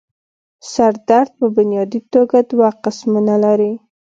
سر درد پۀ بنيادي توګه دوه قسمونه لري